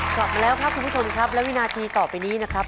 กลับมาแล้วครับคุณผู้ชมครับและวินาทีต่อไปนี้นะครับ